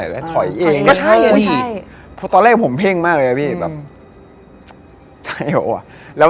และตอนรูดถอยหลังแล้วเร็ว